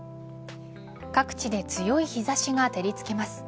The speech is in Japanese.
各地で強い日差しが照りつけます。